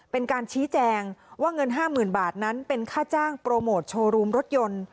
เป็นการชี้แจงว่าเงิน๕๐๐๐บาทนั้นเป็นค่าจ้างโปรโมทโชว์รูมรถยนต์